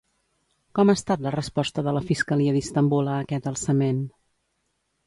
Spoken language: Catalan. Com ha estat la resposta de la Fiscalia d'Istambul a aquest alçament?